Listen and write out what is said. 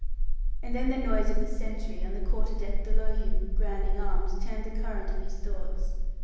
And then the noise of the sentry, on the quarter deck below him, grounding arms, turned the current of his thoughts.